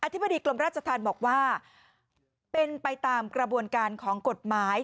ธิบดีกรมราชธรรมบอกว่าเป็นไปตามกระบวนการของกฎหมาย